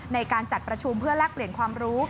ในการจัดประชุมเพื่อแลกเปลี่ยนความรู้